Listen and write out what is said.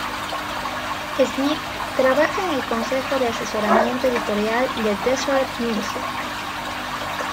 Smith trabaja en el consejo de asesoramiento editorial de "Deseret News".